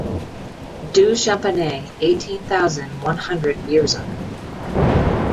du Champanet, eighteen thousand one hundred Vierzon